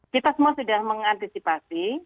kita semua sudah mengantisipasi